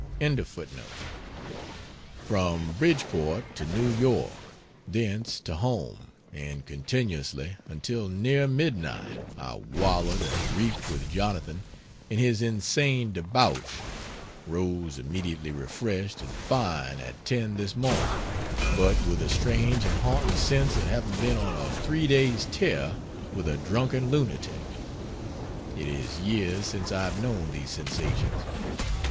] From Bridgeport to New York; thence to home; and continuously until near midnight I wallowed and reeked with Jonathan in his insane debauch; rose immediately refreshed and fine at 10 this morning, but with a strange and haunting sense of having been on a three days' tear with a drunken lunatic. It is years since I have known these sensations.